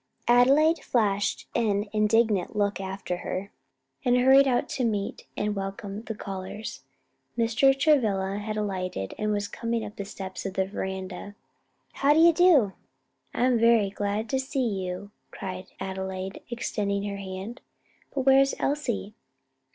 Adelaide flashed an indignant look after her, and hurried out to meet and welcome the callers. Mr. Travilla had alighted and was coming up the steps of the veranda. "How d'ye do. I'm very glad to see you," cried Adelaide, extending her hand, "but where is Elsie?"